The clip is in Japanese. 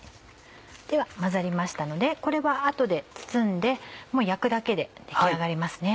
では混ざりましたのでこれは後で包んでもう焼くだけで出来上がりますね。